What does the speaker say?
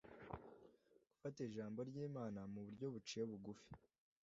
Gufata Ijambo ry’Imana mu buryo buciye bugufi